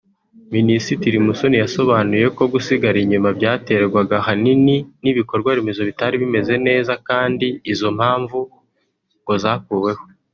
Minisitiri Musoni yasobanuye ko gusigara inyuma byaterwaga ahanini n’ibikorwaremezo bitari bimeze neza kandi izo mpamvu ngo zakuweho